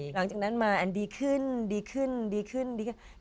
หลังจากนั้นมาแอนดีขึ้นดีขึ้นดีขึ้นดีขึ้น